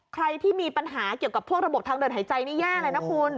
ใครที่มีปัญหาเกี่ยวกับพวกระบบทางเดินหายใจนี่แย่เลยนะคุณ